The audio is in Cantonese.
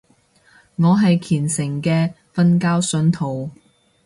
我係虔誠嘅瞓覺信徒